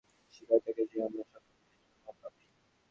পাশ্চাত্যগণ এই ভয়ানক মত শিখাইয়া থাকে যে, আমরা সকলেই জন্মপাপী।